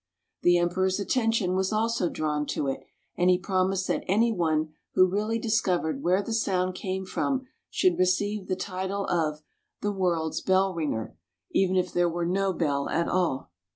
The Emperor's attention was also drawn to it, and he promised that anyone who really discovered where the sound came from should receive the title of " the world's bell ringer," even if there were no bell at all.